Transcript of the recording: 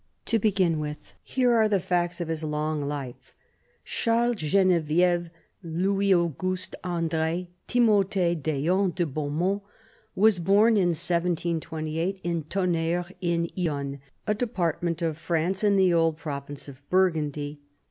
To begin with, here are the facts of his long life. Charles Genevieve Louis Auguste Andre Timothée d'Eon de Beaumont was born in 1728 in Tonnerre in Yonne, a department of France in the old province of Burgundy.